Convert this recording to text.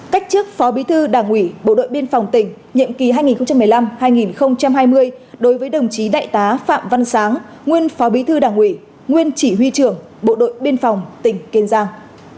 cách chức phó bí thư đảng ủy bộ đội biên phòng tỉnh nhiệm kỳ hai nghìn một mươi năm hai nghìn hai mươi đối với đồng chí đại tá phạm văn sáng nguyên phó bí thư đảng ủy nguyên chỉ huy trưởng bộ đội biên phòng tỉnh kiên giang